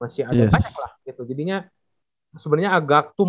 mungkin karena mereka udah punya kesempatan bermain yang cukup execution